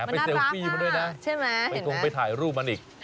ไปเซลฟี่มันด้วยนะไปถ่ายรูปมันอีก